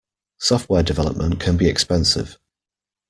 Software development can be expensive.